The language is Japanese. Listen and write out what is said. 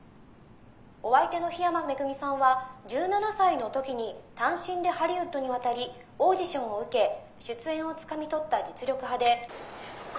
お相手の緋山恵さんは１７歳の時に単身でハリウッドに渡りオーディションを受け出演をつかみ取った実力派で」。